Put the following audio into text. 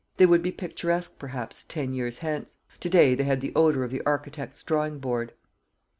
They would be picturesque, perhaps, ten years hence. To day they had the odour of the architect's drawing board.